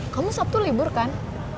kamu sabtu libur kan